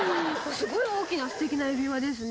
すごい大きな、すてきな指輪ですね。